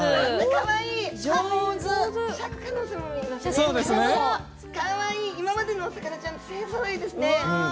かわいい今までのお魚ちゃん勢ぞろいですね。